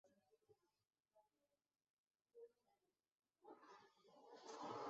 Ordurako, enpresaren jarduna gainbeheran zegoen.